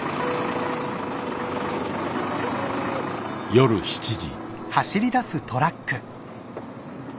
夜７時。